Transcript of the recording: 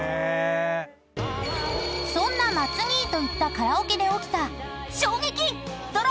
［そんな松兄と行ったカラオケで起きた］